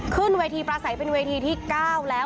ขึ้นเวทีประสัยเป็นเวทีที่๙แล้ว